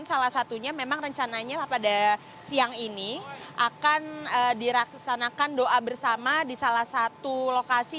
salah satunya memang rencananya pada siang ini akan diraksanakan doa bersama di salah satu lokasi